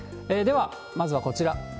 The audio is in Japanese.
では、まずはこちら。